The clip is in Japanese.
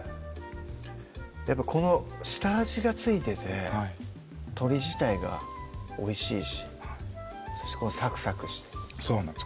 やっぱこの下味が付いててはい鶏自体がおいしいしすごいサクサクしてそうなんです